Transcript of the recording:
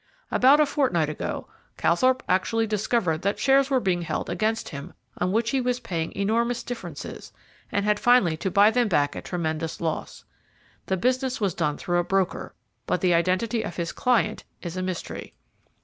"About a fortnight ago, Calthorpe actually discovered that shares were being held against him on which he was paying enormous differences, and had finally to buy them back at tremendous loss. The business was done through a broker, but the identity of his client is a mystery.